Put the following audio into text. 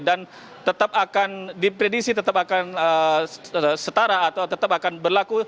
dan tetap akan dipredisi tetap akan setara atau tetap akan berlaku